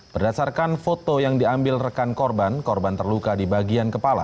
berdasarkan foto yang diambil rekan korban korban terluka di bagian kepala